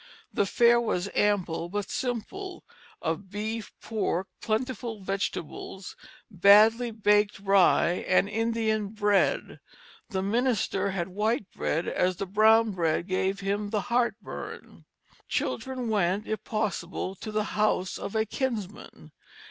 The fare was ample but simple; of beef, pork, plentiful vegetables, badly baked rye and Indian bread. The minister had white bread as the brown bread gave him the heart burn. Children went, if possible, to the house of a kinsman.